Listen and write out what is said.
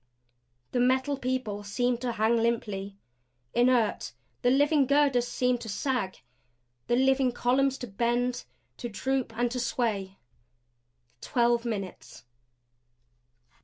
The Metal People seemed to hang limply, inert; the living girders seemed to sag; the living columns to bend; to droop and to sway. Twelve minutes.